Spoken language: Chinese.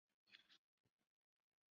鸟井坂面影堂魔法使魔法指环